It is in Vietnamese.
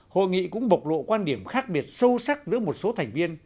hội nghị cũng bộc lộ quan điểm khác biệt sâu sắc giữa một số thành viên